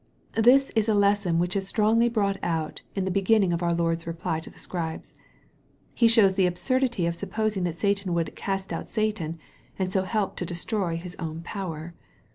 This is a lesson which is strongly brought out in the beginning of our Lord's reply to the scribes. He shows the absurdity of supposing that Satan would " cast out Satan/' and so help to destroy his own power.